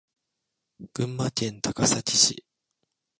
群馬県高崎市